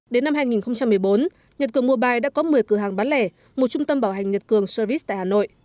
đến năm hai nghìn một mươi bốn nhật cường mobile đã có một mươi cửa hàng bán lẻ một trung tâm bảo hành nhật cường service tại hà nội